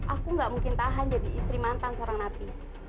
aku nggak mungkin tahan jadi istri mantan seorang api